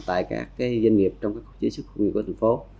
tại các cái doanh nghiệp trong các khu chế xuất công nghiệp của thành phố